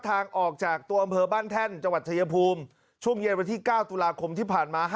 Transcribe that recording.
ทางออกจากตัวอำเภอบ้านแท่นจังหวัดชายภูมิช่วงเย็นวันที่๙ตุลาคมที่ผ่านมา